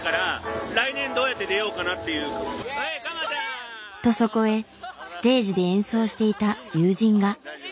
とそこへステージで演奏していた友人が。